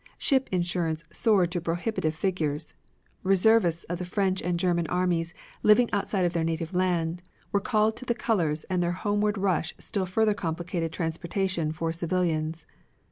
Ship insurance soared to prohibitive figures. Reservists of the French and German armies living outside of their native land were called to the colors and their homeward rush still further complicated transportation for civilians.